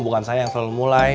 bukan saya yang selalu mulai